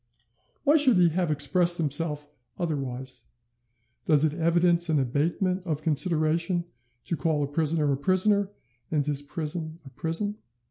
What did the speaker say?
Why should he have expressed himself otherwise? Does it evidence an abatement of consideration to call a prisoner a prisoner, and his prison a prison?